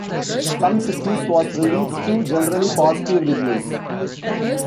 "Some Cities" was released to generally positive reviews.